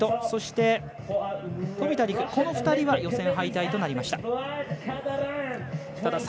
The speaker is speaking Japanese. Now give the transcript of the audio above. そして、飛田流輝この２人は予選敗退となりました。